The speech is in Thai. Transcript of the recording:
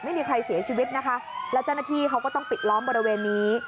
ไม่มีใครเสียชีวิตนะคะแล้วเจ้าหน้าที่เขาก็ต้องปิดล้อมบริเวณนี้